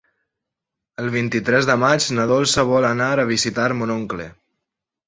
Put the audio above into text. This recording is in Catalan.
El vint-i-tres de maig na Dolça vol anar a visitar mon oncle.